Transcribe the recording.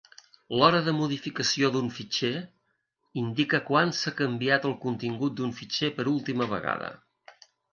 L'hora de modificació d'un fitxer indica quan s'ha canviat el contingut d'un fitxer per última vegada.